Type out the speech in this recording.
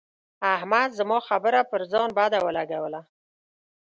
احمد زما خبره پر ځان بده ولګوله.